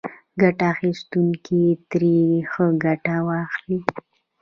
ګټه اخیستونکي ترې ښه ګټه واخلي.